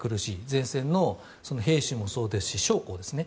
前線の兵士もそうですし将校ですね。